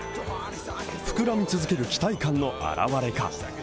膨らみ続ける期待感の表れか。